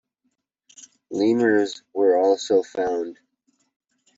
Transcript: Lemurs were also found.